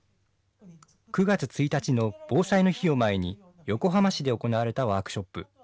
９月１日の防災の日を前に、横浜市で行われたワークショップ。